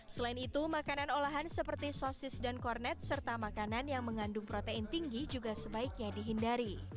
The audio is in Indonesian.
selain itu makanan olahan seperti sosis dan kornet serta makanan yang mengandung protein tinggi juga sebaiknya dihindari